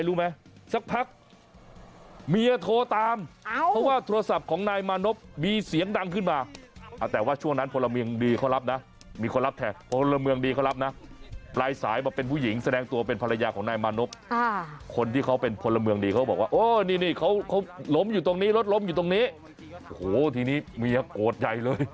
รู้ไหมสักพักเมียโทรตามเพราะว่าโทรศัพท์ของนายมานพมีเสียงดังขึ้นมาแต่ว่าช่วงนั้นพลเมืองดีเขารับนะมีคนรับแทนพลเมืองดีเขารับนะปลายสายมาเป็นผู้หญิงแสดงตัวเป็นภรรยาของนายมานพคนที่เขาเป็นพลเมืองดีเขาบอกว่าโอ้นี่นี่เขาล้มอยู่ตรงนี้รถล้มอยู่ตรงนี้โอ้โหทีนี้เมียโกรธใหญ่เลย